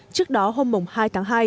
trước đó hôm hai tháng hai